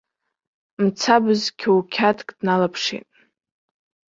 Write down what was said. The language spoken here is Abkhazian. Мцабз қьоуқьадк дналаԥшит.